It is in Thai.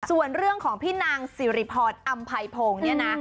ส่วนเรื่องของพี่นางสิริพรอำไพพงศ์เนี่ยนะ